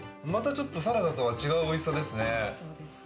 ちょっとサラダとは違うおいしさですね。